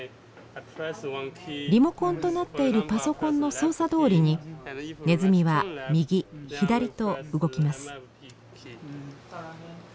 リモコンとなっているパソコンの操作どおりにネズミは右左と動きます。